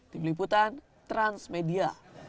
di peliputan transmedia